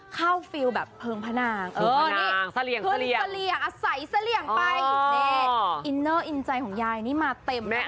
เข้าฟิลแบบเพิงพนางเออนี่เสรียงอ๋อใส่เสรียงไปอีนเนอร์อินใจของยายนี่มาเต็มนะคุณผู้ชม